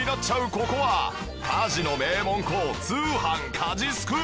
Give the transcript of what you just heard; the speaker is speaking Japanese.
ここは家事の名門校通販☆家事スクール！